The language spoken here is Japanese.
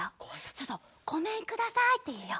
そうそう「ごめんください」っていうよ。